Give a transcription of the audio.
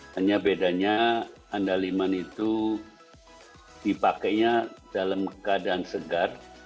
hanya bedanya andaliman itu dipakainya dalam keadaan segar